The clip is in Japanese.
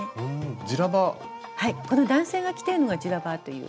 この男性が着ているのがジュラバという。